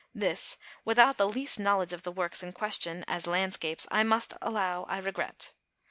This, without the least knowledge of the works in question, as landscapes, I must allow I regret.